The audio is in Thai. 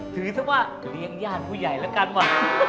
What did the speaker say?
ถือซะว่าเรียงญาติผู้ใหญ่ละกันว่ะ